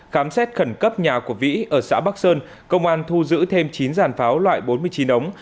khám xét khẩn cấp nhà của vĩ ở xã bắc sơn công an thu giữ thêm chín giàn pháo loại bốn mươi chín ống